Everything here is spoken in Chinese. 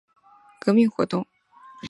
积极从事反清革命活动。